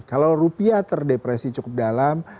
kalau rupiah terdepresi cukup dalam